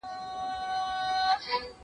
که وخت وي، ليکنه کوم!!